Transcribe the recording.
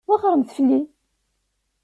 Wexxṛemt fell-i!